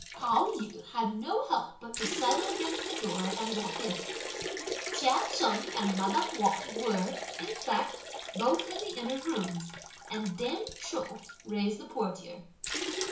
Pao yü had no help but to sidle against the door and walk in. Chia Cheng and madame Wang were, in fact, both in the inner rooms, and dame Chou raised the portière.